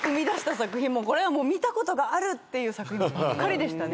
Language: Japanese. これは見たことがあるって作品ばっかりでしたね。